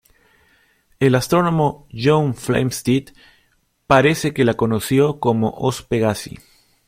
El astrónomo John Flamsteed parece que la conoció como Os Pegasi.